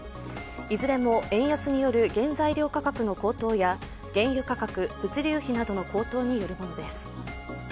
いずれも円安による原材料価格の高騰や原油価格、物流費の高騰によるものです。